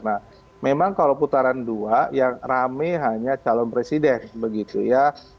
nah memang kalau putaran dua yang rame hanya calon presiden begitu ya